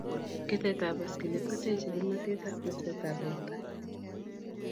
Keteetab baskilit koteechei kimnateet ak chersetab borto